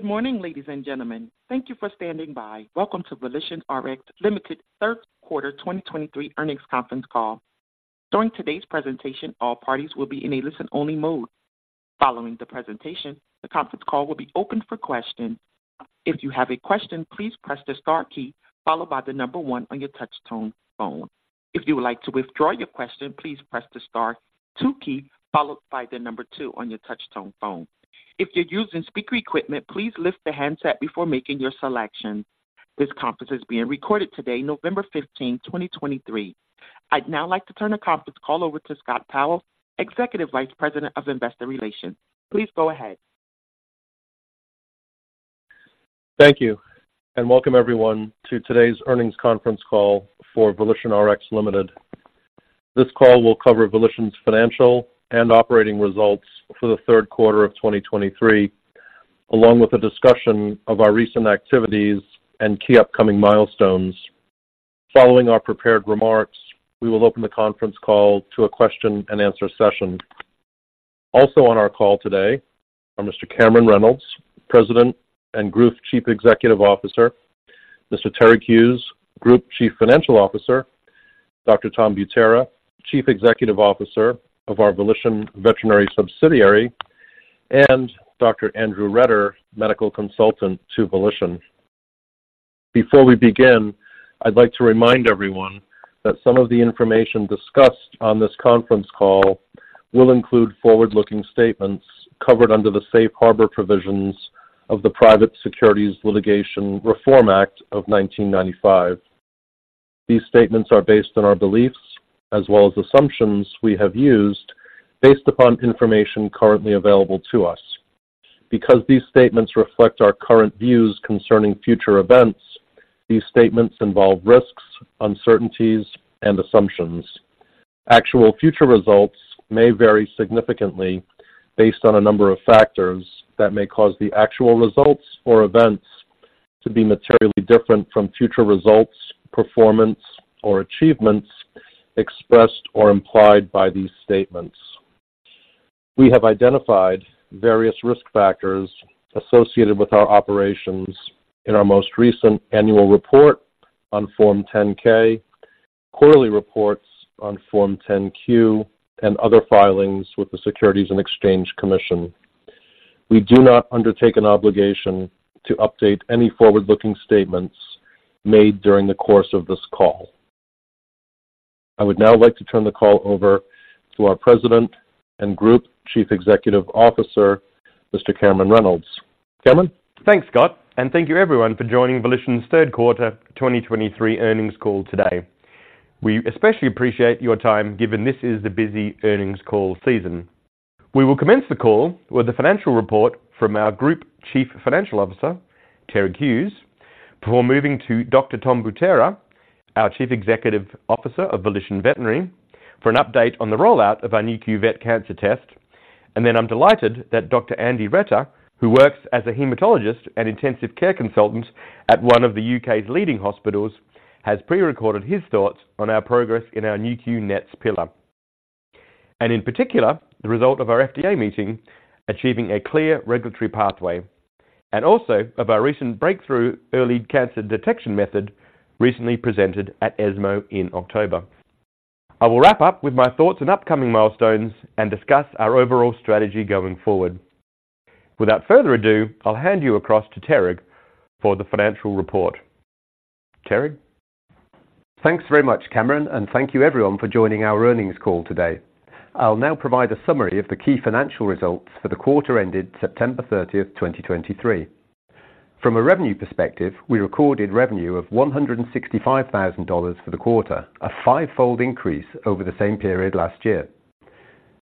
Good morning, ladies and gentlemen. Thank you for standing by. Welcome to VolitionRx Limited third quarter 2023 earnings conference call. During today's presentation, all parties will be in a listen-only mode. Following the presentation, the conference call will be opened for questions. If you have a question, please press the star key followed by the number one on your touchtone phone. If you would like to withdraw your question, please press the star two key followed by the number two on your touchtone phone. If you're using speaker equipment, please lift the handset before making your selection. This conference is being recorded today, November 15, 2023. I'd now like to turn the conference call over to Scott Powell, Executive Vice President of Investor Relations. Please go ahead. Thank you, and welcome everyone to today's earnings conference call for VolitionRx Limited. This call will cover Volition's financial and operating results for the third quarter of 2023, along with a discussion of our recent activities and key upcoming milestones. Following our prepared remarks, we will open the conference call to a question-and-answer session. Also on our call today are Mr. Cameron Reynolds, President and Group Chief Executive Officer; Mr. Terig Hughes, Group Chief Financial Officer; Dr. Tom Butera, Chief Executive Officer of our Volition Veterinary Subsidiary; and Dr. Andrew Retter, Medical Consultant to Volition. Before we begin, I'd like to remind everyone that some of the information discussed on this conference call will include forward-looking statements covered under the safe harbor provisions of the Private Securities Litigation Reform Act of 1995. These statements are based on our beliefs as well as assumptions we have used, based upon information currently available to us. Because these statements reflect our current views concerning future events, these statements involve risks, uncertainties, and assumptions. Actual future results may vary significantly based on a number of factors that may cause the actual results or events to be materially different from future results, performance, or achievements expressed or implied by these statements. We have identified various risk factors associated with our operations in our most recent annual report on Form 10-K, quarterly reports on Form 10-Q, and other filings with the Securities and Exchange Commission. We do not undertake an obligation to update any forward-looking statements made during the course of this call. I would now like to turn the call over to our President and Group Chief Executive Officer, Mr. Cameron Reynolds. Cameron? Thanks, Scott, and thank you everyone for joining Volition's third quarter 2023 earnings call today. We especially appreciate your time, given this is the busy earnings call season. We will commence the call with a financial report from our Group Chief Financial Officer, Terig Hughes, before moving to Dr. Tom Butera, our Chief Executive Officer of Volition Veterinary, for an update on the rollout of our Nu.Q Vet Cancer Test. And then I'm delighted that Dr. Andy Retter, who works as a hematologist and intensive care consultant at one of the U.K.'s leading hospitals, has pre-recorded his thoughts on our progress in our Nu.Q NETs pillar, and in particular, the result of our FDA meeting, achieving a clear regulatory pathway, and also of our recent breakthrough early cancer detection method, recently presented at ESMO in October. I will wrap up with my thoughts on upcoming milestones and discuss our overall strategy going forward. Without further ado, I'll hand you across to Terig for the financial report. Terig? Thanks very much, Cameron, and thank you everyone for joining our earnings call today. I'll now provide a summary of the key financial results for the quarter ended September thirtieth, 2023. From a revenue perspective, we recorded revenue of $165,000 for the quarter, a fivefold increase over the same period last year.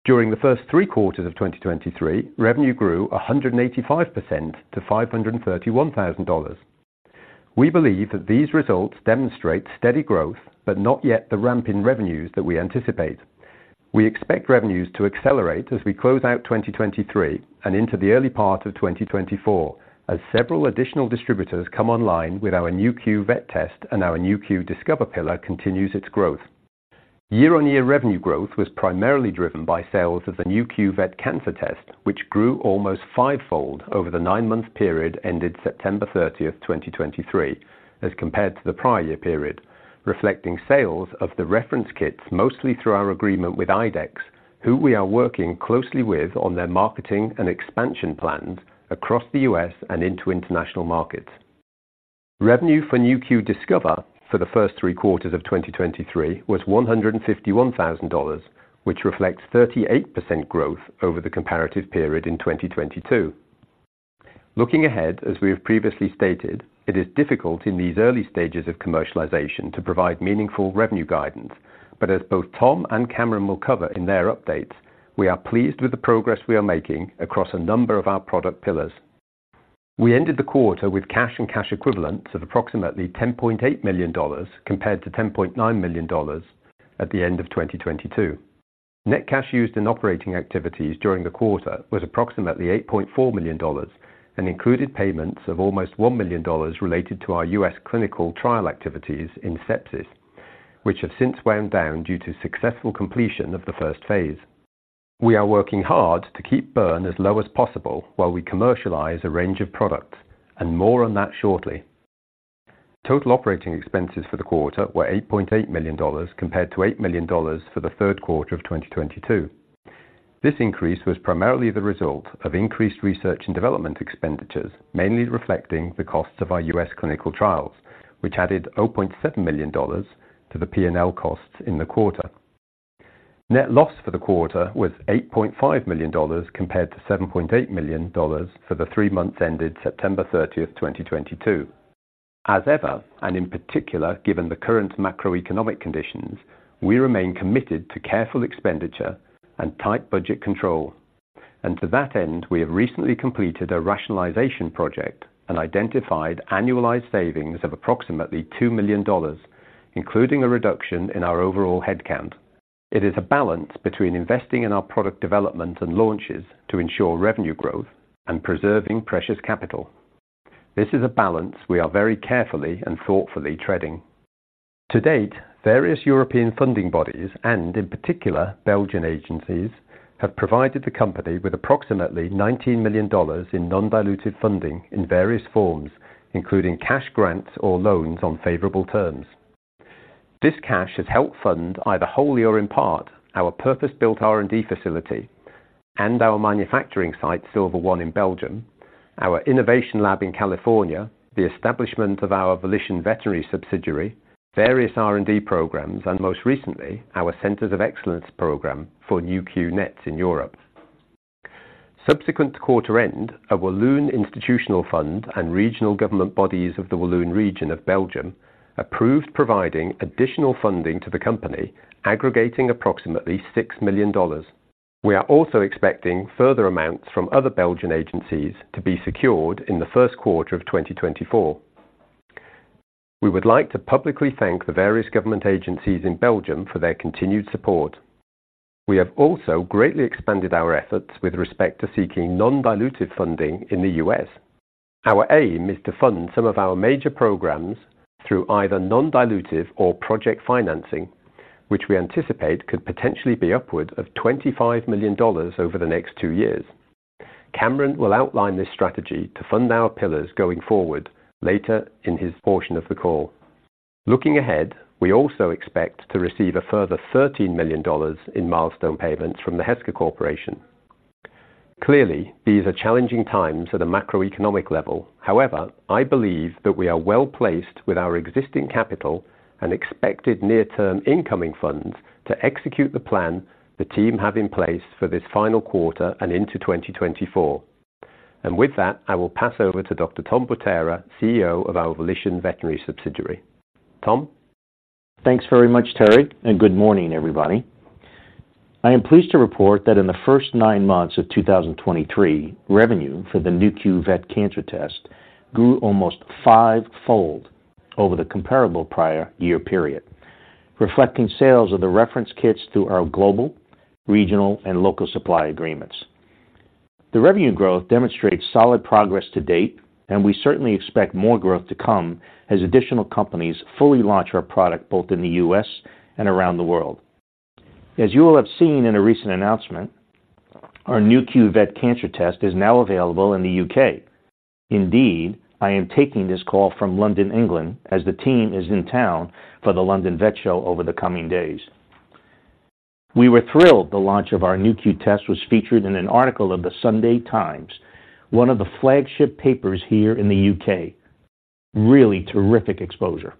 During the first three quarters of 2023, revenue grew 185% to $531,000. We believe that these results demonstrate steady growth, but not yet the ramp in revenues that we anticipate. We expect revenues to accelerate as we close out 2023 and into the early part of 2024, as several additional distributors come online with our Nu.Q Vet Test and our Nu.Q continues its growth. Year-on-year revenue growth was primarily driven by sales of the Nu.Q Vet Cancer Test, which grew almost fivefold over the nine-month period ended September 30th 2023, as compared to the prior year period, reflecting sales of the reference kits, mostly through our agreement with IDEXX, who we are working closely with on their marketing and expansion plans across the U.S. and into international markets. Revenue for Nu.Q Discover for the first three quarters of 2023 was $151,000, which reflects 38% growth over the comparative period in 2022. Looking ahead, as we have previously stated, it is difficult in these early stages of commercialization to provide meaningful revenue guidance. But as both Tom and Cameron will cover in their updates, we are pleased with the progress we are making across a number of our product pillars. We ended the quarter with cash and cash equivalents of approximately $10.8 million compared to $10.9 million at the end of 2022. Net cash used in operating activities during the quarter was approximately $8.4 million and included payments of almost $1 million related to our U.S. clinical trial activities in sepsis, which have since wound down due to successful completion of the first phase.... We are working hard to keep burn as low as possible while we commercialize a range of products, and more on that shortly. Total operating expenses for the quarter were $8.8 million, compared to $8 million for the third quarter of 2022. This increase was primarily the result of increased research and development expenditures, mainly reflecting the costs of our U.S. clinical trials, which added $0.7 million to the P&L costs in the quarter. Net loss for the quarter was $8.5 million, compared to $7.8 million for the three months ended September 30th 2022. As ever, and in particular, given the current macroeconomic conditions, we remain committed to careful expenditure and tight budget control. And to that end, we have recently completed a rationalization project and identified annualized savings of approximately $2 million, including a reduction in our overall headcount. It is a balance between investing in our product development and launches to ensure revenue growth and preserving precious capital. This is a balance we are very carefully and thoughtfully treading. To date, various European funding bodies, and in particular, Belgian agencies, have provided the company with approximately $19 million in non-dilutive funding in various forms, including cash grants or loans on favorable terms. This cash has helped fund, either wholly or in part, our purpose-built R&D facility and our manufacturing site, Silver One, in Belgium, our innovation lab in California, the establishment of our Volition Veterinary subsidiary, various R&D programs, and most recently, our Centers of Excellence program for Nu.Q NETs in Europe. Subsequent to quarter end, a Walloon institutional fund and regional government bodies of the Walloon Region of Belgium approved providing additional funding to the company, aggregating approximately $6 million. We are also expecting further amounts from other Belgian agencies to be secured in the first quarter of 2024. We would like to publicly thank the various government agencies in Belgium for their continued support. We have also greatly expanded our efforts with respect to seeking non-dilutive funding in the U.S. Our aim is to fund some of our major programs through either non-dilutive or project financing, which we anticipate could potentially be upward of $25 million over the next two years. Cameron will outline this strategy to fund our pillars going forward later in his portion of the call. Looking ahead, we also expect to receive a further $13 million in milestone payments from the Heska Corporation. Clearly, these are challenging times at a macroeconomic level. However, I believe that we are well-placed with our existing capital and expected near-term incoming funds to execute the plan the team have in place for this final quarter and into 2024. And with that, I will pass over to Dr. Tom Butera, CEO of our Volition Veterinary subsidiary. Tom? Thanks very much, Terig, and good morning, everybody. I am pleased to report that in the first nine months of 2023, revenue for the Nu.Q Vet Cancer Test grew almost five-fold over the comparable prior year period, reflecting sales of the reference kits through our global, regional, and local supply agreements. The revenue growth demonstrates solid progress to date, and we certainly expect more growth to come as additional companies fully launch our product, both in the U.S. and around the world. As you will have seen in a recent announcement, our Nu.Q Vet Cancer Test is now available in the U.K. Indeed, I am taking this call from London, England, as the team is in town for the London Vet Show over the coming days. We were thrilled the launch of our Nu.Q Test was featured in an article of the Sunday Times, one of the flagship papers here in the U.K. Really terrific exposure.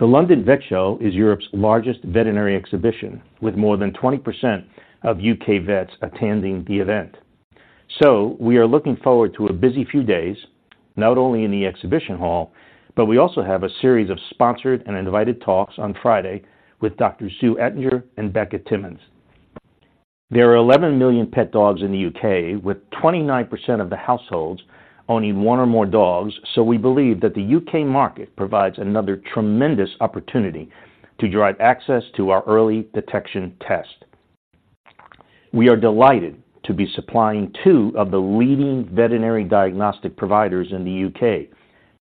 The London Vet Show is Europe's largest veterinary exhibition, with more than 20% of U.K. vets attending the event. So we are looking forward to a busy few days, not only in the exhibition hall, but we also have a series of sponsored and invited talks on Friday with Dr. Sue Ettinger and Dr. Becca Timmons. There are 11 million pet dogs in the U.K., with 29% of the households owning one or more dogs, so we believe that the U.K. market provides another tremendous opportunity to drive access to our early detection test. We are delighted to be supplying two of the leading veterinary diagnostic providers in the U.K.,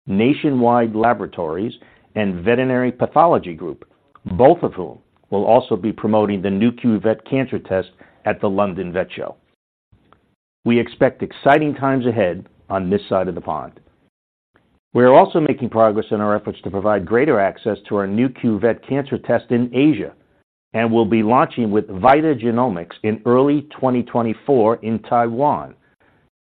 Nationwide Laboratories and Veterinary Pathology Group, both of whom will also be promoting the Nu.Q Vet Cancer Test at the London Vet Show. We expect exciting times ahead on this side of the pond. We are also making progress in our efforts to provide greater access to our Nu.Q Vet Cancer Test in Asia, and we'll be launching with Vita Genomics in early 2024 in Taiwan,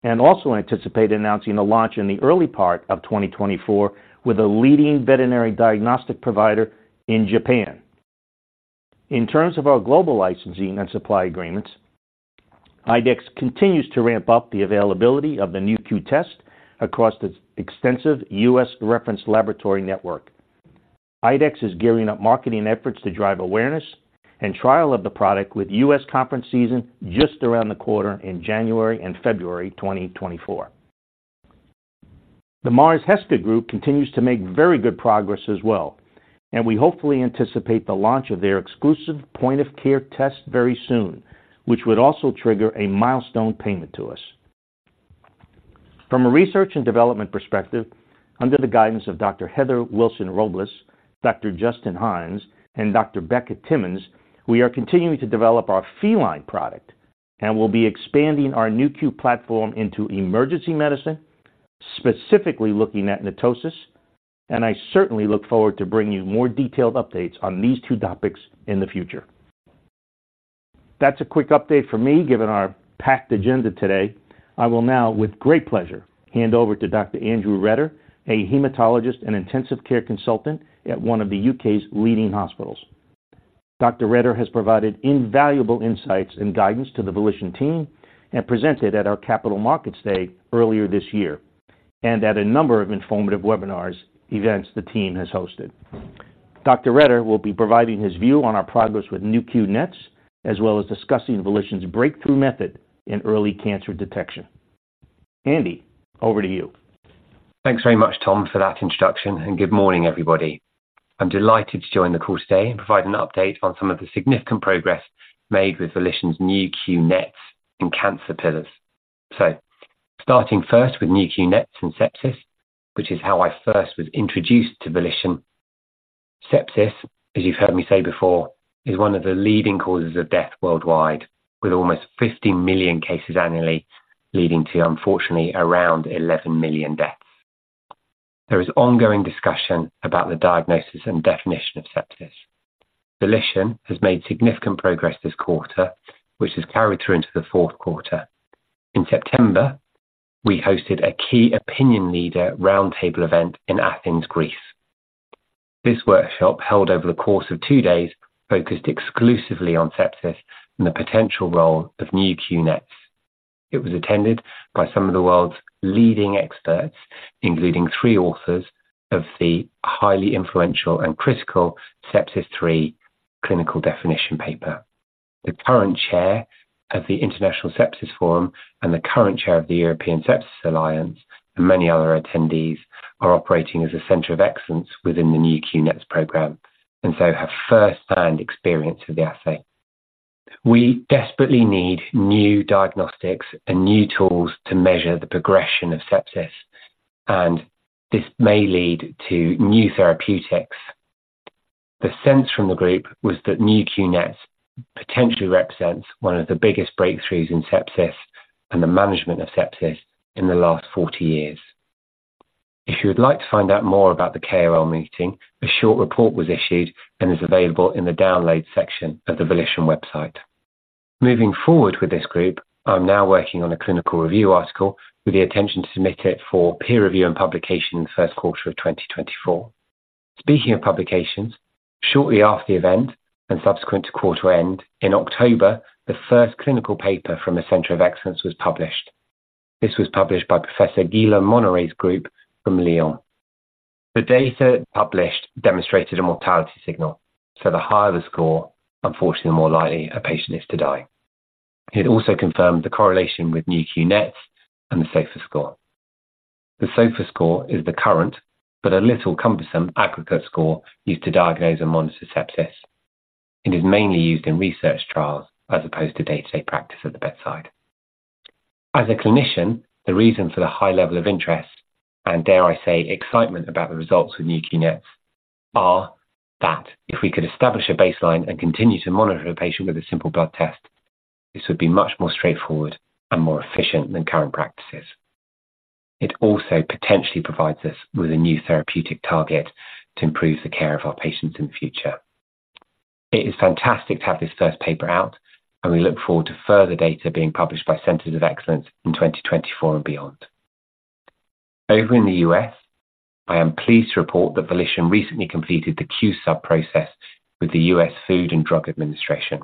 and also anticipate announcing a launch in the early part of 2024 with a leading veterinary diagnostic provider in Japan. In terms of our global licensing and supply agreements, IDEXX continues to ramp up the availability of the Nu.Q Test across the extensive U.S. Reference Laboratory Network. IDEXX is gearing up marketing efforts to drive awareness and trial of the product with U.S. conference season just around the corner in January and February 2024. The Mars Heska group continues to make very good progress as well, and we hopefully anticipate the launch of their exclusive point-of-care test very soon, which would also trigger a milestone payment to us. From a research and development perspective, under the guidance of Dr. Heather Wilson-Robles, Dr. Justin Hynes, and Dr. Becca Timmons, we are continuing to develop our feline product and will be expanding our Nu.Q platform into emergency medicine, specifically looking at NETosis, and I certainly look forward to bringing you more detailed updates on these two topics in the future. That's a quick update from me, given our packed agenda today. I will now, with great pleasure, hand over to Dr. Andrew Retter, a hematologist and intensive care consultant at one of the U.K.'s leading hospitals. Dr. Retter has provided invaluable insights and guidance to the Volition team and presented at our Capital Markets Day earlier this year, and at a number of informative webinars events the team has hosted. Dr. Retter will be providing his view on our progress with Nu.Q NETs, as well as discussing Volition's breakthrough method in early cancer detection. Andy, over to you. Thanks very much, Tom, for that introduction, and good morning, everybody. I'm delighted to join the call today and provide an update on some of the significant progress made with Volition's Nu.Q NETs and cancer pillars. So starting first with Nu.Q NETs and sepsis, which is how I first was introduced to Volition. Sepsis, as you've heard me say before, is one of the leading causes of death worldwide, with almost 50 million cases annually, leading to, unfortunately, around 11 million deaths. There is ongoing discussion about the diagnosis and definition of sepsis. Volition has made significant progress this quarter, which has carried through into the fourth quarter. In September, we hosted a key opinion leader roundtable event in Athens, Greece. This workshop, held over the course of two days, focused exclusively on sepsis and the potential role of Nu.Q NETs. It was attended by some of the world's leading experts, including three authors of the highly influential and critical Sepsis-3 clinical definition paper. The current chair of the International Sepsis Forum and the current chair of the European Sepsis Alliance, and many other attendees, are operating as a center of excellence within the Nu.Q NETs program, and so have first-hand experience with the assay. We desperately need new diagnostics and new tools to measure the progression of sepsis, and this may lead to new therapeutics. The sense from the group was that Nu.Q NETs potentially represents one of the biggest breakthroughs in sepsis and the management of sepsis in the last 40 years. If you would like to find out more about the KOL meeting, a short report was issued and is available in the download section of the Volition website. Moving forward with this group, I'm now working on a clinical review article with the intention to submit it for peer review and publication in the first quarter of 2024. Speaking of publications, shortly after the event and subsequent to quarter end, in October, the first clinical paper from the Center of Excellence was published. This was published by Professor Guillaume Monneret's group from Lyon. The data published demonstrated a mortality signal, so the higher the score, unfortunately, the more likely a patient is to die. It also confirmed the correlation with Nu.Q NETs and the SOFA score. The SOFA score is the current, but a little cumbersome, aggregate score used to diagnose and monitor sepsis. It is mainly used in research trials as opposed to day-to-day practice at the bedside. As a clinician, the reason for the high level of interest, and dare I say, excitement about the results with Nu.Q NETs, are that if we could establish a baseline and continue to monitor a patient with a simple blood test, this would be much more straightforward and more efficient than current practices. It also potentially provides us with a new therapeutic target to improve the care of our patients in the future. It is fantastic to have this first paper out, and we look forward to further data being published by Centers of Excellence in 2024 and beyond. Over in the U.S., I am pleased to report that Volition recently completed the Q-Sub process with the U.S. Food and Drug Administration.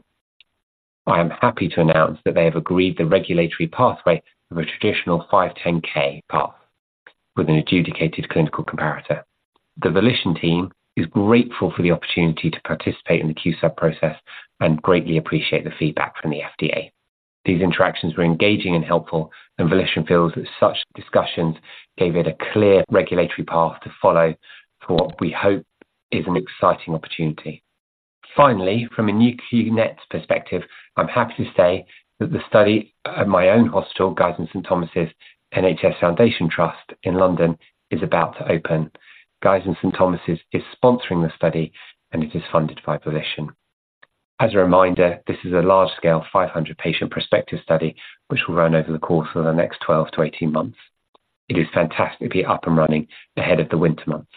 I am happy to announce that they have agreed the regulatory pathway of a traditional 510(k) path with an adjudicated clinical comparator. The Volition team is grateful for the opportunity to participate in the Q-Sub process and greatly appreciate the feedback from the FDA. These interactions were engaging and helpful, and Volition feels that such discussions gave it a clear regulatory path to follow for what we hope is an exciting opportunity. Finally, from a Nu.Q NETs perspective, I'm happy to say that the study at my own hospital, Guy's and St Thomas' NHS Foundation Trust in London, is about to open. Guy's and St Thomas' is sponsoring the study, and it is funded by Volition. As a reminder, this is a large-scale, 500-patient prospective study, which will run over the course of the next 12-18 months. It is fantastic to be up and running ahead of the winter months.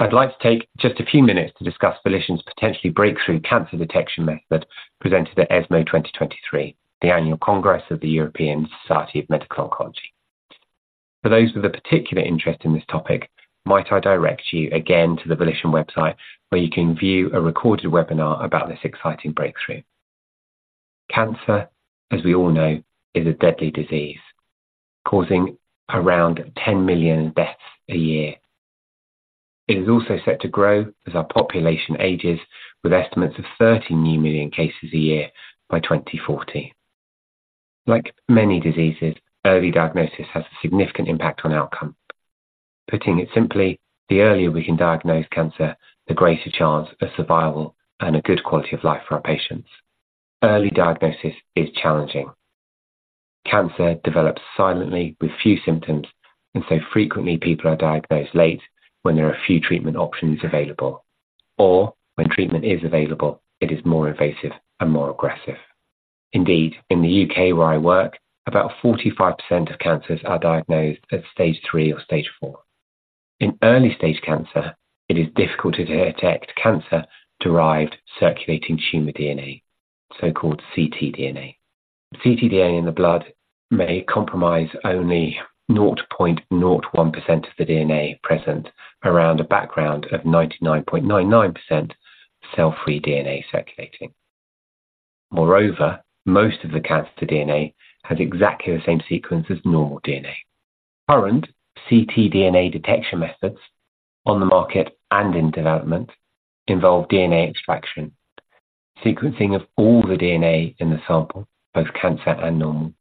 I'd like to take just a few minutes to discuss Volition's potentially breakthrough cancer detection method presented at ESMO 2023, the annual congress of the European Society of Medical Oncology. For those with a particular interest in this topic, might I direct you again to the Volition website, where you can view a recorded webinar about this exciting breakthrough. Cancer, as we all know, is a deadly disease, causing around 10 million deaths a year. It is also set to grow as our population ages, with estimates of 13 million new cases a year by 2040. Like many diseases, early diagnosis has a significant impact on outcome. Putting it simply, the earlier we can diagnose cancer, the greater chance of survival and a good quality of life for our patients. Early diagnosis is challenging. Cancer develops silently with few symptoms, and so frequently people are diagnosed late when there are few treatment options available, or when treatment is available, it is more invasive and more aggressive. Indeed, in the U.K. where I work, about 45% of cancers are diagnosed at stage three or stage four. In early-stage cancer, it is difficult to detect cancer-derived circulating tumor DNA, so-called ctDNA. ctDNA in the blood may compromise only 0.01% of the DNA present around a background of 99.99% cell-free DNA circulating. Moreover, most of the cancer DNA has exactly the same sequence as normal DNA. Current ctDNA detection methods on the market and in development involve DNA extraction, sequencing of all the DNA in the sample, both cancer and normal,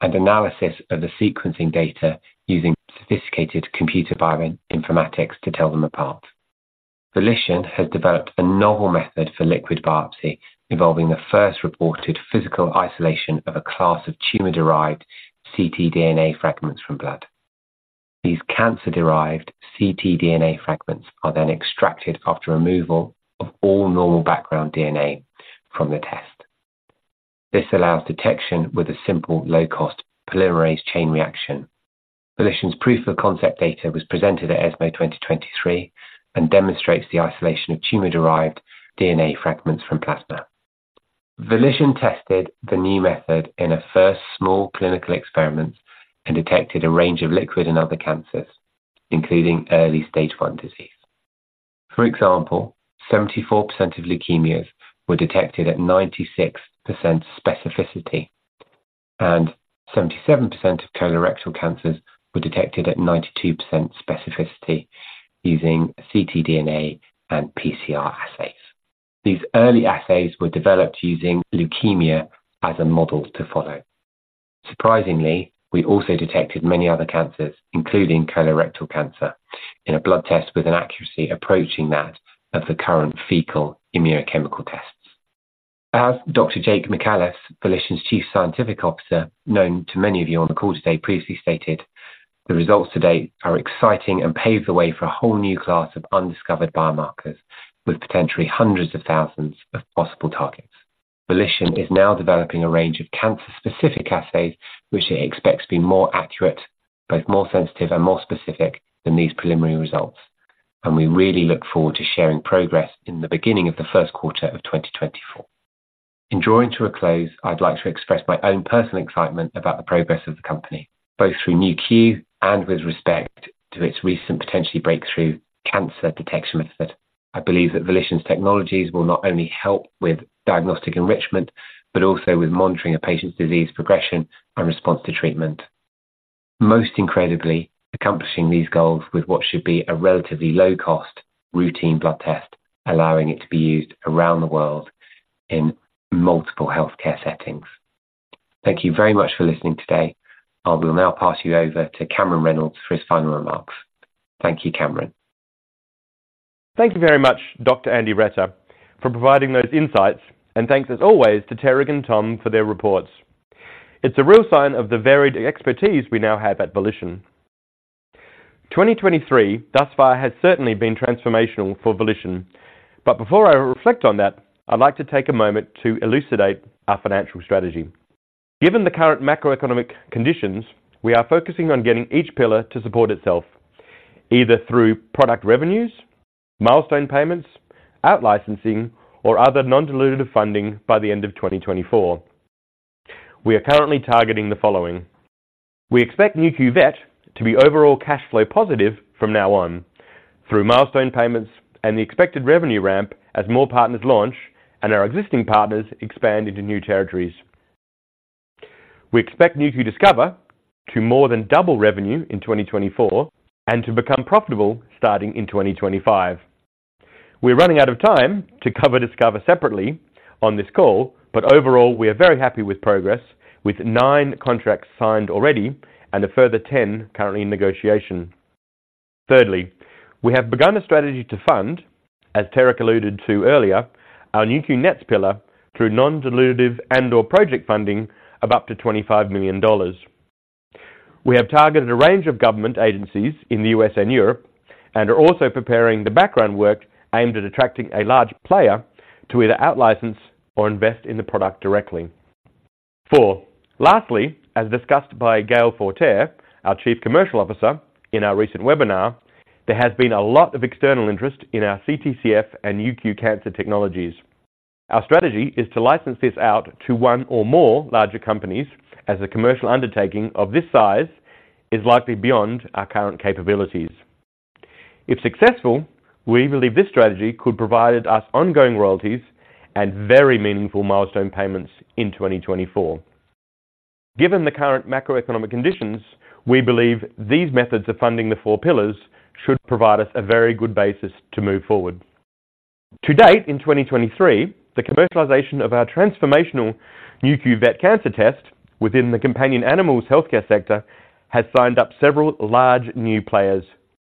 and analysis of the sequencing data using sophisticated computer bioinformatics to tell them apart. Volition has developed a novel method for liquid biopsy, involving the first reported physical isolation of a class of tumor-derived ctDNA fragments from blood. These cancer-derived ctDNA fragments are then extracted after removal of all normal background DNA from the test. This allows detection with a simple, low-cost polymerase chain reaction. Volition's proof of concept data was presented at ESMO 2023 and demonstrates the isolation of tumor-derived DNA fragments from plasma. Volition tested the new method in a first small clinical experiment and detected a range of liquid and other cancers, including early stage 1 disease. For example, 74% of leukemias were detected at 96% specificity, and 77% of colorectal cancers were detected at 92% specificity using ctDNA and PCR assays. These early assays were developed using leukemia as a model to follow. Surprisingly, we also detected many other cancers, including colorectal cancer, in a blood test with an accuracy approaching that of the current fecal immunochemical tests. As Dr. Jake Micallef, Volition's Chief Scientific Officer, known to many of you on the call today, previously stated, the results to date are exciting and pave the way for a whole new class of undiscovered biomarkers, with potentially hundreds of thousands of possible targets. Volition is now developing a range of cancer-specific assays, which it expects to be more accurate, both more sensitive and more specific than these preliminary results. And we really look forward to sharing progress in the beginning of the first quarter of 2024. In drawing to a close, I'd like to express my own personal excitement about the progress of the company, both through Nu.Q and with respect to its recent potentially breakthrough cancer detection method. I believe that Volition's technologies will not only help with diagnostic enrichment, but also with monitoring a patient's disease progression and response to treatment. Most incredibly, accomplishing these goals with what should be a relatively low cost, routine blood test, allowing it to be used around the world in multiple healthcare settings. Thank you very much for listening today. I will now pass you over to Cameron Reynolds for his final remarks. Thank you, Cameron. Thank you very much, Dr. Andrew Retter, for providing those insights, and thanks as always, to Tarek and Tom for their reports. It's a real sign of the varied expertise we now have at Volition. 2023 thus far has certainly been transformational for Volition. But before I reflect on that, I'd like to take a moment to elucidate our financial strategy. Given the current macroeconomic conditions, we are focusing on getting each pillar to support itself, either through product revenues, milestone payments, out licensing, or other non-dilutive funding by the end of 2024. We are currently targeting the following: We expect Nu.Q Vet to be overall cash flow positive from now on, through milestone payments and the expected revenue ramp as more partners launch and our existing partners expand into new territories. We expect Nu.Q Discover to more than double revenue in 2024 and to become profitable starting in 2025. We're running out of time to cover Discover separately on this call, but overall, we are very happy with progress, with nine contracts signed already and a further 10 currently in negotiation. Thirdly, we have begun a strategy to fund, as Tarek alluded to earlier, our Nu.Q NETs pillar through non-dilutive and/or project funding of up to $25 million. We have targeted a range of government agencies in the U.S. and Europe, and are also preparing the background work aimed at attracting a large player to either out-license or invest in the product directly. Four, lastly, as discussed by Gaël Forterre, our Chief Commercial Officer in our recent webinar, there has been a lot of external interest in our CTCF and Nu.Q Cancer technologies. Our strategy is to license this out to one or more larger companies, as a commercial undertaking of this size is likely beyond our current capabilities. If successful, we believe this strategy could provide us ongoing royalties and very meaningful milestone payments in 2024. Given the current macroeconomic conditions, we believe these methods of funding the four pillars should provide us a very good basis to move forward. To date, in 2023, the commercialization of our transformational Nu.Q Vet Cancer Test within the companion animals healthcare sector, has signed up several large new players,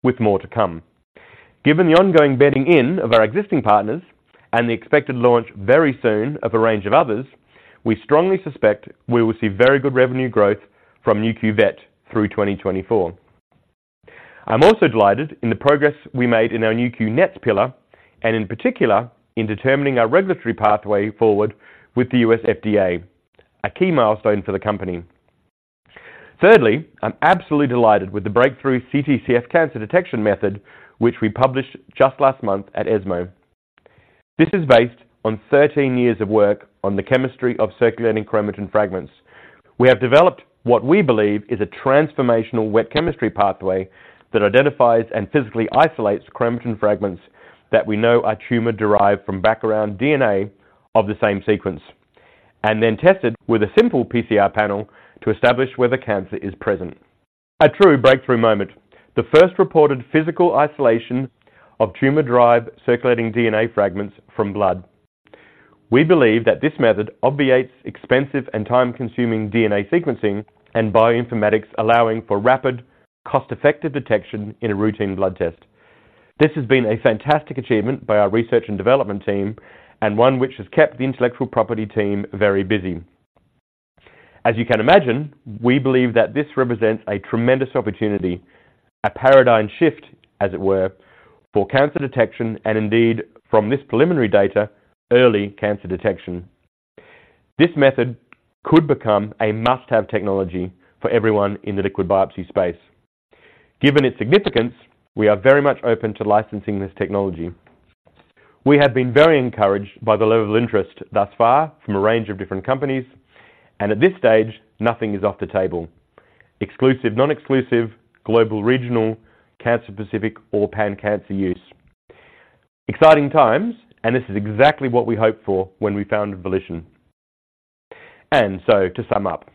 with more to come. Given the ongoing bedding in of our existing partners and the expected launch very soon of a range of others, we strongly suspect we will see very good revenue growth from Nu.Q Vet through 2024. I'm also delighted in the progress we made in our Nu.Q NETs pillar, and in particular, in determining our regulatory pathway forward with the U.S. FDA, a key milestone for the company. Thirdly, I'm absolutely delighted with the breakthrough CTCF cancer detection method, which we published just last month at ESMO. This is based on 13 years of work on the chemistry of circulating chromatin fragments. We have developed what we believe is a transformational wet chemistry pathway that identifies and physically isolates chromatin fragments that we know are tumor-derived from background DNA of the same sequence, and then tested with a simple PCR panel to establish whether cancer is present. A true breakthrough moment. The first reported physical isolation of tumor-derived circulating DNA fragments from blood. We believe that this method obviates expensive and time-consuming DNA sequencing and bioinformatics, allowing for rapid, cost-effective detection in a routine blood test. This has been a fantastic achievement by our research and development team, and one which has kept the intellectual property team very busy. As you can imagine, we believe that this represents a tremendous opportunity, a paradigm shift, as it were, for cancer detection, and indeed, from this preliminary data, early cancer detection. This method could become a must-have technology for everyone in the liquid biopsy space. Given its significance, we are very much open to licensing this technology. We have been very encouraged by the level of interest thus far from a range of different companies, and at this stage, nothing is off the table. Exclusive, non-exclusive, global, regional, cancer-specific or pan-cancer use. Exciting times, and this is exactly what we hoped for when we founded Volition. And so to sum up,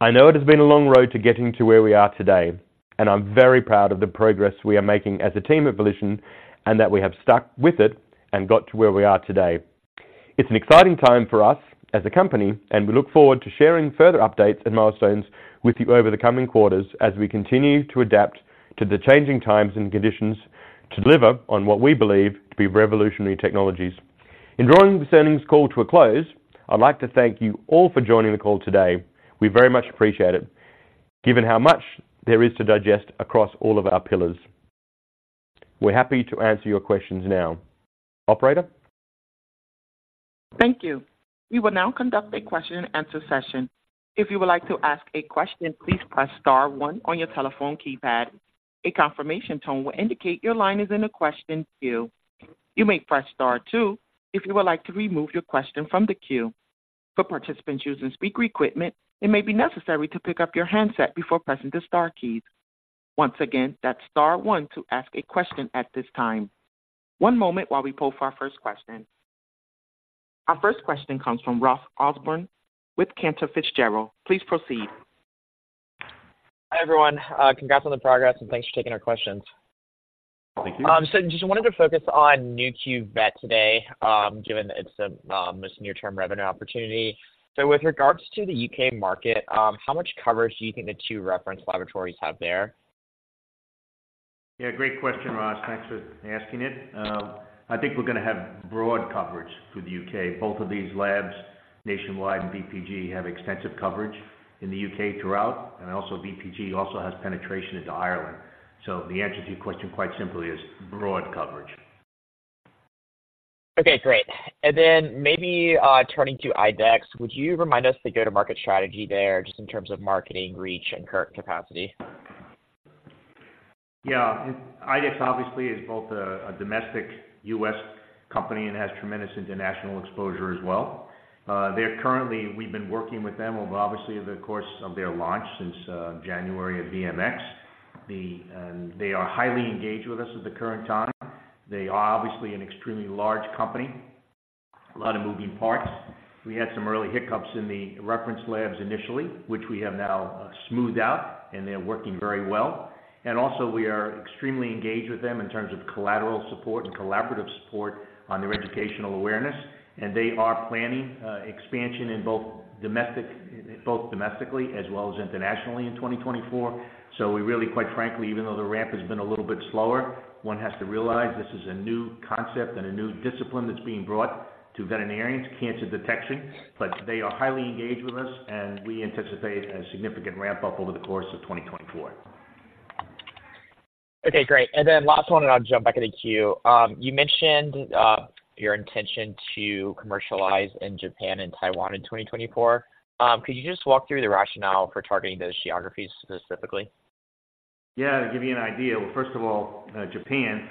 I know it has been a long road to getting to where we are today, and I'm very proud of the progress we are making as a team at Volition, and that we have stuck with it and got to where we are today. It's an exciting time for us as a company, and we look forward to sharing further updates and milestones with you over the coming quarters as we continue to adapt to the changing times and conditions, to deliver on what we believe to be revolutionary technologies. In drawing this earnings call to a close, I'd like to thank you all for joining the call today. We very much appreciate it, given how much there is to digest across all of our pillars. We're happy to answer your questions now. Operator? Thank you. We will now conduct a question-and-answer session. If you would like to ask a question, please press star one on your telephone keypad. A confirmation tone will indicate your line is in a question queue. You may press star two if you would like to remove your question from the queue. For participants using speaker equipment, it may be necessary to pick up your handset before pressing the star keys. Once again, that's star one to ask a question at this time. One moment while we poll for our first question. Our first question comes from Ross Osborn with Cantor Fitzgerald. Please proceed. Hi, everyone. Congrats on the progress, and thanks for taking our questions. Thank you. Just wanted to focus on Nu.Q Vet today, given it's the most near-term revenue opportunity. With regards to the U.K. market, how much coverage do you think the two reference laboratories have there? Yeah, great question, Ross. Thanks for asking it. I think we're gonna have broad coverage through the U.K. Both of these labs, Nationwide, and VPG, have extensive coverage in the U.K. throughout, and also VPG also has penetration into Ireland. So the answer to your question, quite simply, is broad coverage. Okay, great. And then maybe, turning to IDEXX, would you remind us the go-to-market strategy there, just in terms of marketing reach and current capacity? Yeah. IDEXX obviously is both a domestic U.S. company and has tremendous international exposure as well. They're currently... We've been working with them over obviously the course of their launch since January at VMX. And they are highly engaged with us at the current time. They are obviously an extremely large company, a lot of moving parts. We had some early hiccups in the reference labs initially, which we have now smoothed out, and they're working very well. And also we are extremely engaged with them in terms of collateral support and collaborative support on their educational awareness. And they are planning expansion in both domestic- both domestically as well as internationally in 2024. So we really, quite frankly, even though the ramp has been a little bit slower, one has to realize this is a new concept and a new discipline that's being brought to veterinarians, cancer detection. But they are highly engaged with us, and we anticipate a significant ramp-up over the course of 2024. Okay, great. And then last one, and I'll jump back in the queue. You mentioned your intention to commercialize in Japan and Taiwan in 2024. Could you just walk through the rationale for targeting those geographies specifically? Yeah, to give you an idea, well, first of all, Japan,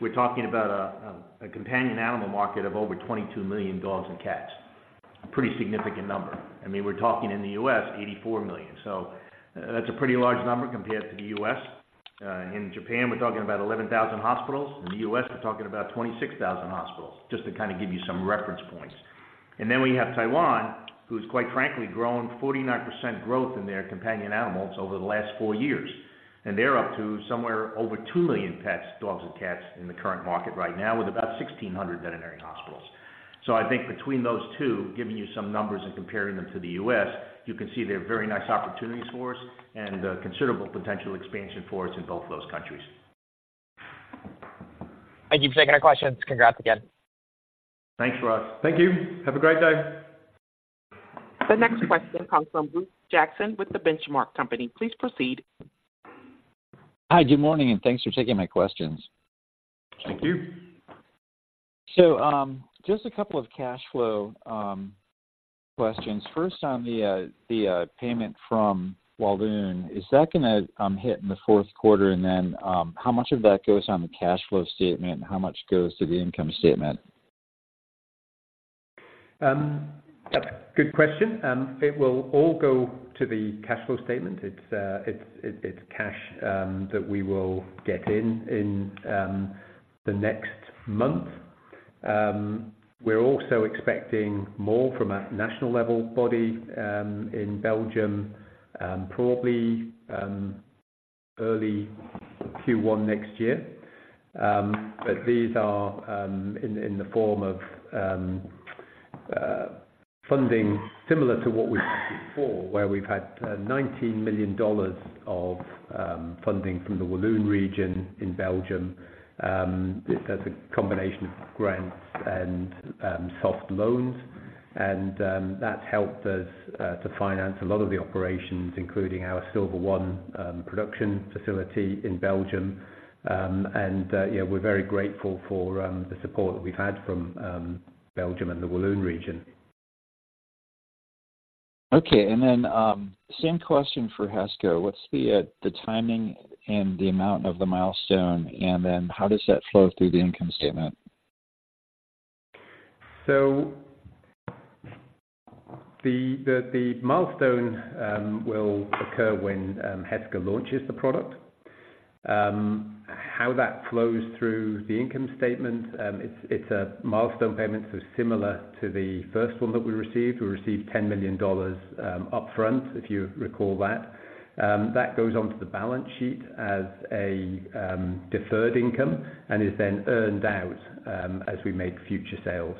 we're talking about a companion animal market of over 22 million dogs and cats. A pretty significant number. I mean, we're talking in the U.S., 84 million. So that's a pretty large number compared to the U.S. In Japan, we're talking about 11,000 hospitals. In the U.S., we're talking about 26,000 hospitals, just to kind of give you some reference points. ...And then we have Taiwan, who's quite frankly, grown 49% growth in their companion animals over the last four years. And they're up to somewhere over 2 million pets, dogs, and cats in the current market right now, with about 1,600 veterinary hospitals. So I think between those two, giving you some numbers and comparing them to the U.S., you can see they're very nice opportunities for us and considerable potential expansion for us in both those countries. Thank you for taking our questions. Congrats again. Thanks, Ross. Thank you. Have a great day! The next question comes from Bruce Jackson with The Benchmark Company. Please proceed. Hi, good morning, and thanks for taking my questions. Thank you. So, just a couple of cash flow questions. First, on the payment from Walloon, is that gonna hit in the fourth quarter? And then, how much of that goes on the cash flow statement, and how much goes to the income statement? Good question. It will all go to the cash flow statement. It's cash that we will get in the next month. We're also expecting more from a national-level body in Belgium, probably early Q1 next year. But these are in the form of funding similar to what we've had before, where we've had $19 million of funding from the Walloon Region in Belgium. That's a combination of grants and soft loans, and that's helped us to finance a lot of the operations, including our Silver One production facility in Belgium. And yeah, we're very grateful for the support that we've had from Belgium and the Walloon Region. Okay, and then, same question for Heska. What's the timing and the amount of the milestone, and then how does that flow through the income statement? So the milestone will occur when Heska launches the product. How that flows through the income statement, it's a milestone payment, so similar to the first one that we received. We received $10 million upfront, if you recall that. That goes onto the balance sheet as a deferred income and is then earned out as we make future sales.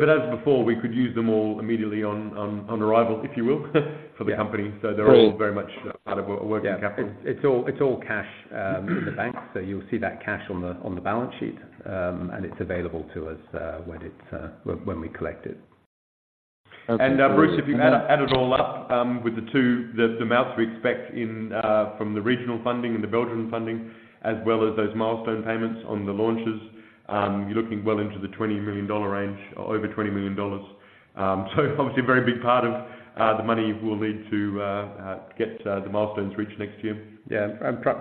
But as before, we could use them all immediately on arrival, if you will, for the company. Cool. They're all very much part of our working capital. It's all cash in the bank, so you'll see that cash on the balance sheet. And it's available to us when we collect it. Okay, great. And, Bruce, if you add it all up, with the two the amounts we expect from the regional funding and the Belgian funding, as well as those milestone payments on the launches, you're looking well into the $20 million range, over $20 million. So obviously, a very big part of the money will need to get the milestones reached next year. Yeah.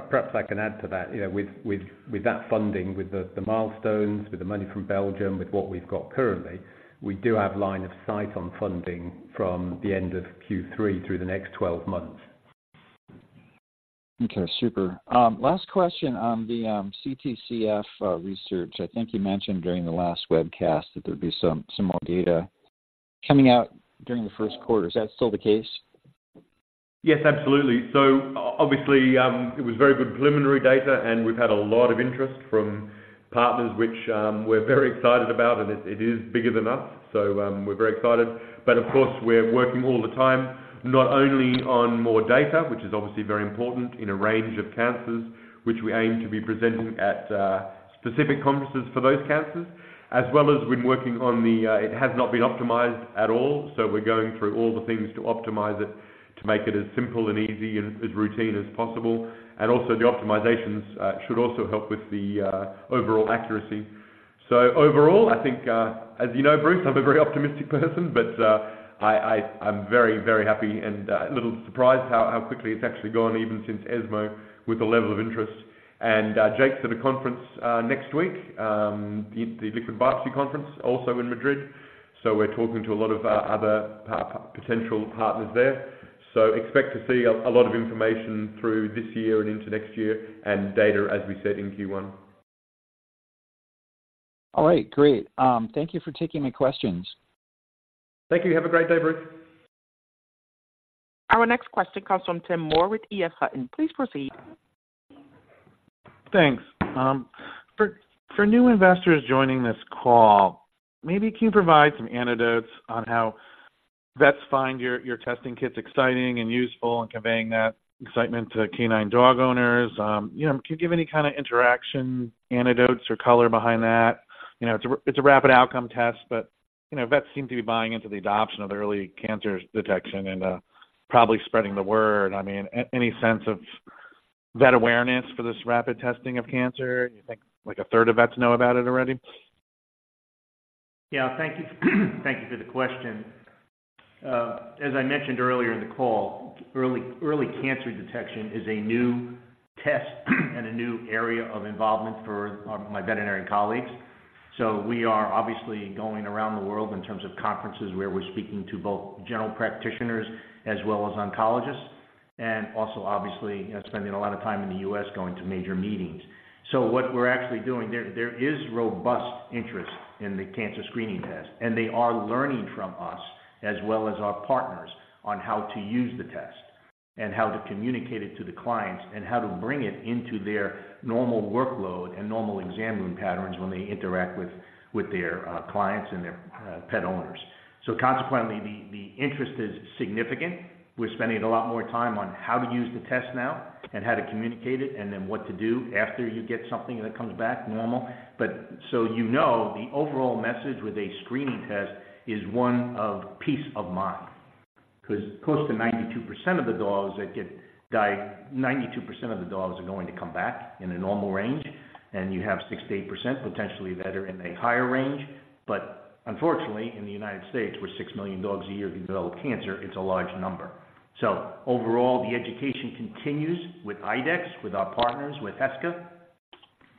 Perhaps I can add to that. You know, with that funding, with the milestones, with the money from Belgium, with what we've got currently, we do have line of sight on funding from the end of Q3 through the next 12 months. Okay, super. Last question on the CTCF research. I think you mentioned during the last webcast that there'd be some more data coming out during the first quarter. Is that still the case? Yes, absolutely. So obviously, it was very good preliminary data, and we've had a lot of interest from partners, which, we're very excited about, and it, it is bigger than us, so, we're very excited. But of course, we're working all the time, not only on more data, which is obviously very important in a range of cancers, which we aim to be presenting at, specific conferences for those cancers, as well as we're working on the, it has not been optimized at all. So we're going through all the things to optimize it, to make it as simple and easy and as routine as possible. And also, the optimizations, should also help with the, overall accuracy. So overall, I think, as you know, Bruce, I'm a very optimistic person, but I'm very, very happy and a little surprised how quickly it's actually gone, even since ESMO, with the level of interest. Jake's at a conference next week, the Liquid Biopsy Conference, also in Madrid. So we're talking to a lot of other potential partners there. So expect to see a lot of information through this year and into next year, and data, as we said, in Q1. All right, great. Thank you for taking my questions. Thank you. Have a great day, Bruce. Our next question comes from Tim Moore with EF Hutton. Please proceed. Thanks. For new investors joining this call, maybe can you provide some anecdotes on how vets find your testing kits exciting and useful and conveying that excitement to canine dog owners? You know, can you give any kind of interaction anecdotes or color behind that? You know, it's a rapid outcome test, but, you know, vets seem to be buying into the adoption of the early cancer detection and probably spreading the word. I mean, any sense of vet awareness for this rapid testing of cancer? You think, like, a third of vets know about it already? Yeah. Thank you, thank you for the question. As I mentioned earlier in the call, early cancer detection is a new test, and a new area of involvement for my veterinary colleagues. We are obviously going around the world in terms of conferences, where we're speaking to both general practitioners as well as oncologists.... and also obviously spending a lot of time in the U.S. going to major meetings. So what we're actually doing, there is robust interest in the cancer screening test, and they are learning from us as well as our partners on how to use the test and how to communicate it to the clients, and how to bring it into their normal workload and normal exam room patterns when they interact with their clients and their pet owners. So consequently, the interest is significant. We're spending a lot more time on how to use the test now and how to communicate it, and then what to do after you get something that comes back normal. But so you know, the overall message with a screening test is one of peace of mind, 'cause close to 92% of the dogs are going to come back in a normal range, and you have 6%-8% potentially that are in a higher range. But unfortunately, in the United States, where 6 million dogs a year develop cancer, it's a large number. So overall, the education continues with IDEXX, with our partners, with Heska,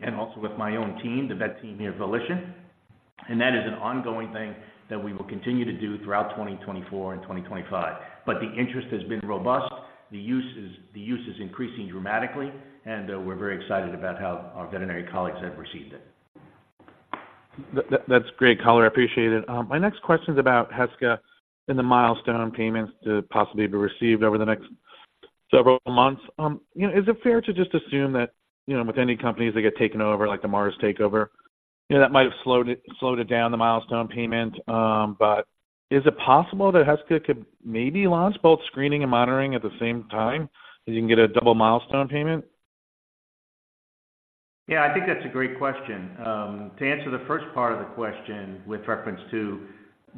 and also with my own team, the vet team here at Volition, and that is an ongoing thing that we will continue to do throughout 2024 and 2025. But the interest has been robust. The use is increasing dramatically, and we're very excited about how our veterinary colleagues have received it. That's great color. I appreciate it. My next question is about Heska and the milestone payments to possibly be received over the next several months. You know, is it fair to just assume that, you know, with any companies that get taken over, like the Mars takeover, you know, that might have slowed it, slowed it down, the milestone payment. But is it possible that Heska could maybe launch both screening and monitoring at the same time, so you can get a double milestone payment? Yeah, I think that's a great question. To answer the first part of the question, with reference to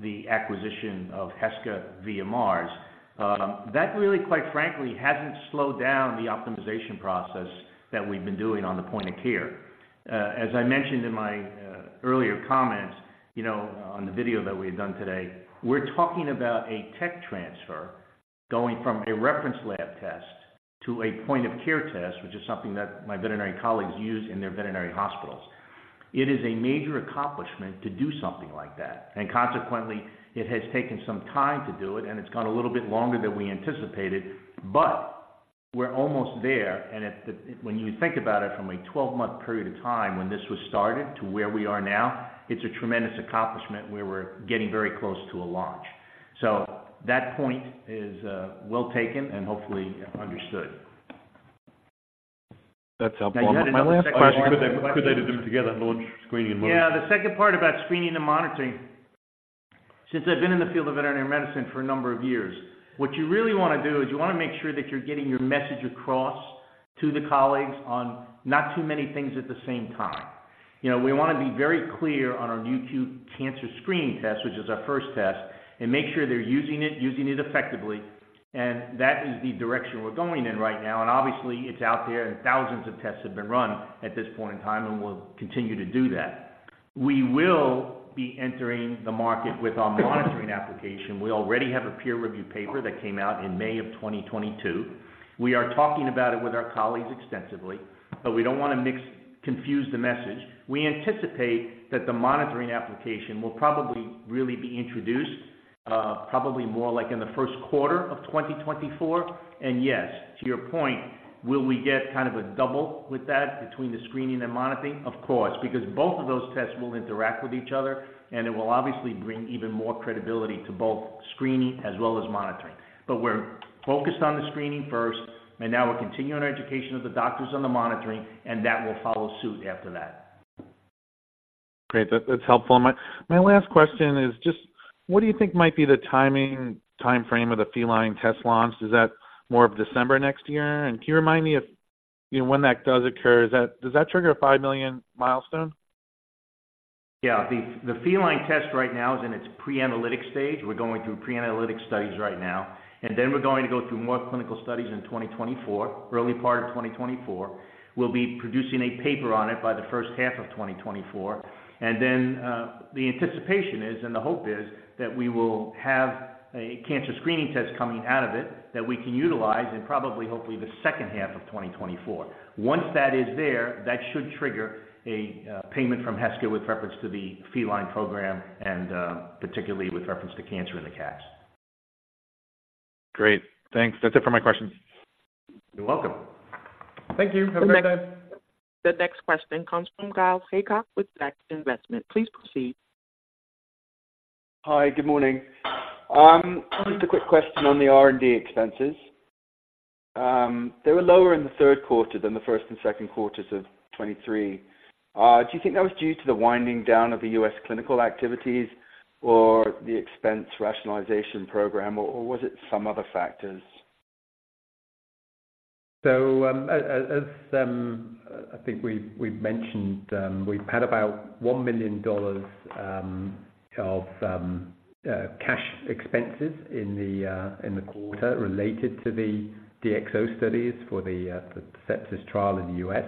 the acquisition of Heska via Mars, that really, quite frankly, hasn't slowed down the optimization process that we've been doing on the point of care. As I mentioned in my earlier comments, you know, on the video that we had done today, we're talking about a tech transfer going from a reference lab test to a point of care test, which is something that my veterinary colleagues use in their veterinary hospitals. It is a major accomplishment to do something like that, and consequently, it has taken some time to do it, and it's gone a little bit longer than we anticipated. But we're almost there, and at the... When you think about it, from a 12-month period of time when this was started to where we are now, it's a tremendous accomplishment. We were getting very close to a launch. So that point is, well taken and hopefully understood. That's helpful. My last question- Could I, could I do them together, both screening and monitoring? Yeah. The second part about screening and monitoring, since I've been in the field of veterinary medicine for a number of years, what you really want to do is you want to make sure that you're getting your message across to the colleagues on not too many things at the same time. You know, we want to be very clear on our Nu.Q cancer screening test, which is our first test, and make sure they're using it, using it effectively, and that is the direction we're going in right now. And obviously, it's out there, and thousands of tests have been run at this point in time, and we'll continue to do that. We will be entering the market with our monitoring application. We already have a peer-reviewed paper that came out in May 2022. We are talking about it with our colleagues extensively, but we don't want to mix, confuse the message. We anticipate that the monitoring application will probably really be introduced, probably more like in the first quarter of 2024. And yes, to your point, will we get kind of a double with that between the screening and monitoring? Of course, because both of those tests will interact with each other, and it will obviously bring even more credibility to both screening as well as monitoring. But we're focused on the screening first, and now we're continuing our education of the doctors on the monitoring, and that will follow suit after that. Great. That, that's helpful. My, my last question is just: What do you think might be the timing, timeframe of the Feline test launch? Is that more of December next year? And can you remind me if, you know, when that does occur, is that... Does that trigger a $5 million milestone? Yeah. The Feline test right now is in its pre-analytic stage. We're going through pre-analytic studies right now, and then we're going to go through more clinical studies in 2024, early part of 2024. We'll be producing a paper on it by the first half of 2024. And then, the anticipation is and the hope is that we will have a cancer screening test coming out of it that we can utilize in probably, hopefully the second half of 2024. Once that is there, that should trigger a payment from Heska with reference to the Feline program and, particularly with reference to cancer in the cats. Great. Thanks. That's it for my questions. You're welcome. Thank you. Come back then. The next question comes from Kyle Haycock with Saxo Investment. Please proceed. Hi, good morning. Just a quick question on the R&D expenses. They were lower in the third quarter than the first and second quarters of 2023. Do you think that was due to the winding down of the U.S. clinical activities or the expense rationalization program, or was it some other factors? As I think we've mentioned, we've had about $1 million of cash expenses in the quarter related to the DEXA studies for the sepsis trial in the U.S.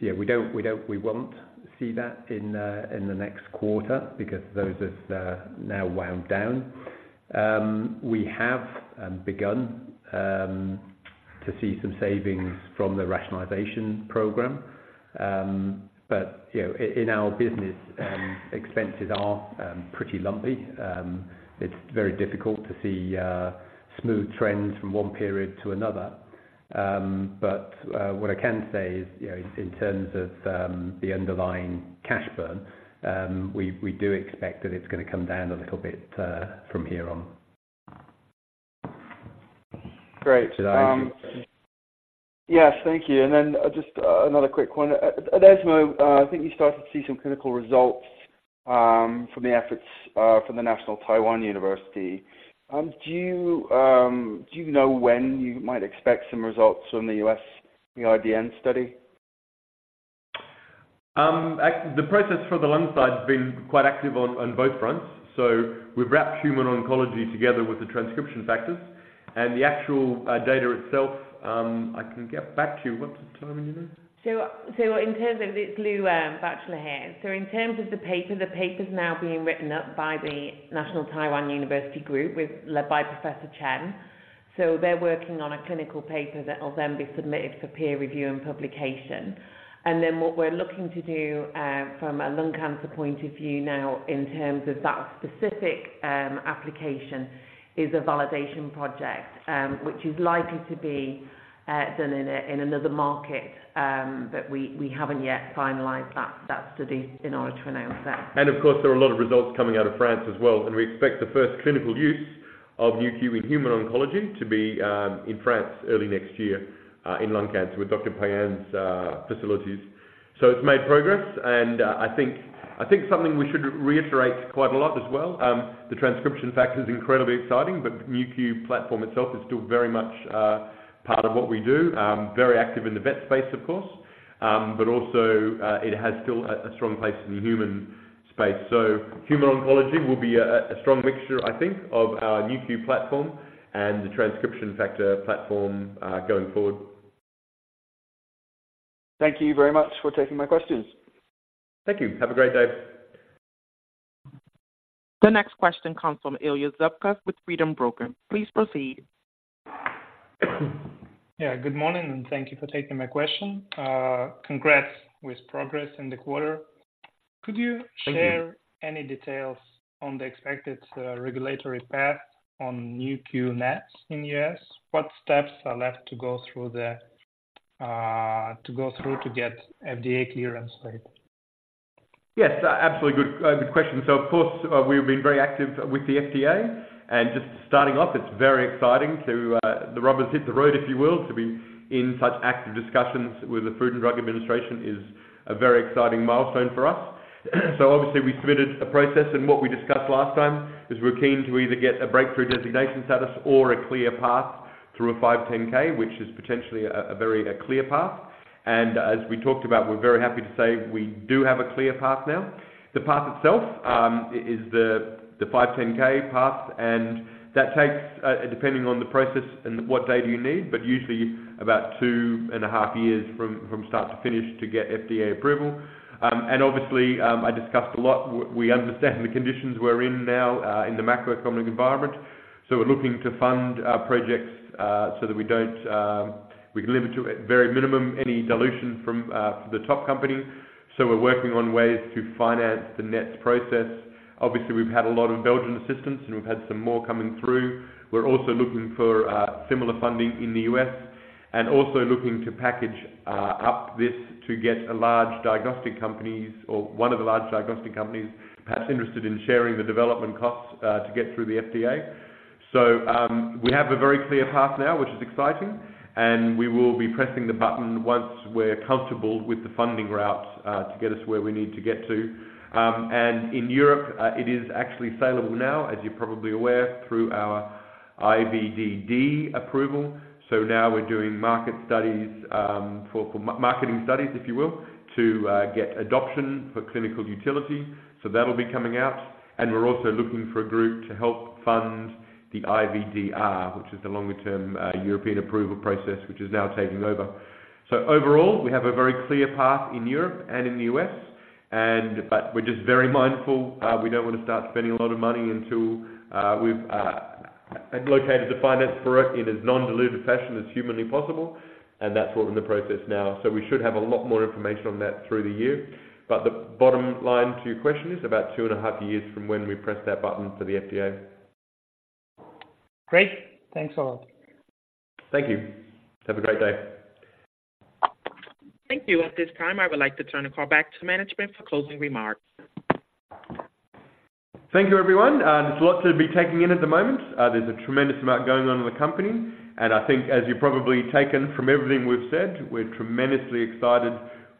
Yeah, we don't - we won't see that in the next quarter because those are now wound down. We have begun to see some savings from the rationalization program. But, you know, in our business, expenses are pretty lumpy. It's very difficult to see smooth trends from one period to another. But, what I can say is, you know, in terms of the underlying cash burn, we do expect that it's gonna come down a little bit, from here on. Great. Did I answer? Yes, thank you. And then, just another quick one. At ESMO, I think you started to see some clinical results from the efforts from the National Taiwan University. Do you know when you might expect some results from the U.S., the IDEXX study? The process for the lung side has been quite active on, on both fronts. So we've wrapped human oncology together with the transcription factors, and the actual data itself, I can get back to you. What's the timing again? It's Louise Batchelor here. In terms of the paper, the paper's now being written up by the National Taiwan University Group, led by Professor Chen. So they're working on a clinical paper that will then be submitted for peer review and publication. And then what we're looking to do, from a lung cancer point of view now, in terms of that specific application, is a validation project, which is likely to be done in another market. But we haven't yet finalized that study in order to announce that. Of course, there are a lot of results coming out of France as well, and we expect the first clinical use of Nu.Q in human oncology to be in France early next year in lung cancer with Dr. Payen's facilities. So it's made progress, and I think, I think something we should reiterate quite a lot as well, the transcription factor is incredibly exciting, but Nu.Q platform itself is still very much part of what we do. Very active in the vet space, of course, but also it has still a strong place in the human space. So human oncology will be a strong mixture, I think, of our Nu.Q platform and the transcription factor platform going forward. Thank you very much for taking my questions. Thank you. Have a great day. The next question comes from Ilya Zubkov with Freedom Broker. Please proceed. Yeah, good morning, and thank you for taking my question. Congrats with progress in the quarter. Thank you. Could you share any details on the expected regulatory path on Nu.Q NETs in the U.S.? What steps are left to go through the, to go through to get FDA clearance for it? Yes, absolutely good, good question. So of course, we've been very active with the FDA. And just starting off, it's very exciting to, the rubbers hit the road, if you will. To be in such active discussions with the Food and Drug Administration is a very exciting milestone for us. So obviously, we submitted a process, and what we discussed last time is we're keen to either get a breakthrough designation status or a clear path through a 510(k), which is potentially a, a very, a clear path. And as we talked about, we're very happy to say we do have a clear path now. The path itself is the 510(k) path, and that takes, depending on the process and what data you need, but usually about 2.5 years from start to finish to get FDA approval. And obviously, I discussed a lot, we understand the conditions we're in now, in the macroeconomic environment. So we're looking to fund projects, so that we don't, we can limit to a very minimum any dilution from from the top company. So we're working on ways to finance the NETs process. Obviously, we've had a lot of Belgian assistance, and we've had some more coming through. We're also looking for similar funding in the U.S., and also looking to package up this to get a large diagnostic companies or one of the large diagnostic companies perhaps interested in sharing the development costs to get through the FDA. So we have a very clear path now, which is exciting, and we will be pressing the button once we're comfortable with the funding routes to get us where we need to get to. And in Europe it is actually salable now, as you're probably aware, through our IVDD approval. So now we're doing market studies for marketing studies, if you will, to get adoption for clinical utility. So that'll be coming out. And we're also looking for a group to help fund the IVDR, which is the longer-term European approval process, which is now taking over. So overall, we have a very clear path in Europe and in the U.S., and but we're just very mindful, we don't want to start spending a lot of money until, we've allocated the finance for it in as non-dilutive fashion as humanly possible, and that's what's in the process now. So we should have a lot more information on that through the year. But the bottom line to your question is about 2.5 years from when we press that button for the FDA. Great. Thanks a lot. Thank you. Have a great day. Thank you. At this time, I would like to turn the call back to management for closing remarks. Thank you, everyone. There's a lot to be taking in at the moment. There's a tremendous amount going on in the company, and I think as you've probably taken from everything we've said, we're tremendously excited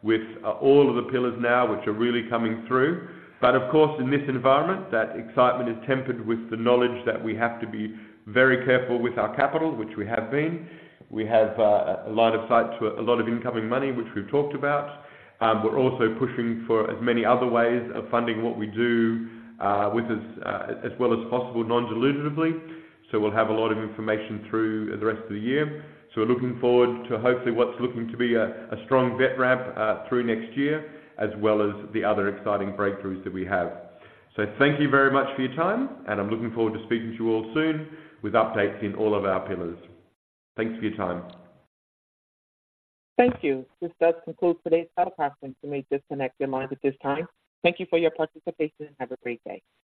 with all of the pillars now, which are really coming through. But of course, in this environment, that excitement is tempered with the knowledge that we have to be very careful with our capital, which we have been. We have a line of sight to a lot of incoming money, which we've talked about. We're also pushing for as many other ways of funding what we do with as well as possible, non-dilutively. So we'll have a lot of information through the rest of the year. So we're looking forward to hopefully what's looking to be a strong vet ramp through next year, as well as the other exciting breakthroughs that we have. So thank you very much for your time, and I'm looking forward to speaking to you all soon with updates in all of our pillars. Thanks for your time. Thank you. This does conclude today's teleconference. You may disconnect your lines at this time. Thank you for your participation, and have a great day.